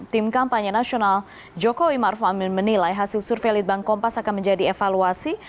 tim kampanye nasional jokowi maruf amin menilai hasil survei litbang kompas akan menjadi evaluasi